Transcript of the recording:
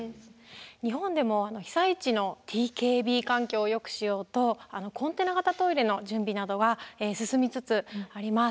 日本でも被災地のＴＫＢ環境をよくしようとコンテナ型トイレの準備などは進みつつあります。